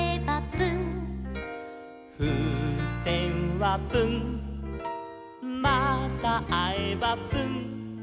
「ふうせんはプンまたあえばプン」